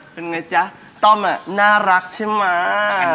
เป็นไงจ๊ะต้อมน่ารักใช่ไหม